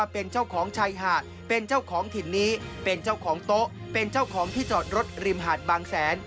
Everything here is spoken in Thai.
เป็นเจ้าของโต๊ะเป็นเจ้าของที่จอดรถริมหาดบางแสน